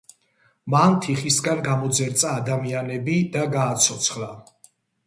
მან თიხისგან გამოძერწა ადამიანები და გააცოცხლა.